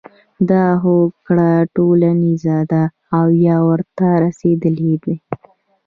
دا هوکړه ټولیزه ده او یا ورته رسیدلي دي.